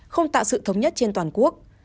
không tạo sự thống nhất trên toàn quốc